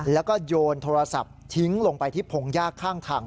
แล้วก็โยนโทรศัพท์ทิ้งลงไปที่พงยากข้างทาง